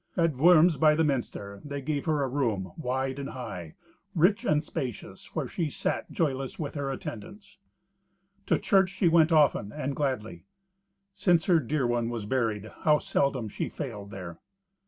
At Worms, by the minster, they gave her a room, wide and high, rich and spacious, where she sat joyless with her attendants. To church she went often and gladly. Since her dear one was buried, how seldom she failed there!